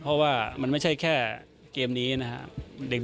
เพราะว่ามันไม่ใช่แค่เกมนี้นะครับ